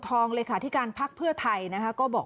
คุณสิริกัญญาบอกว่าตอนนี้ได้ครบแล้ว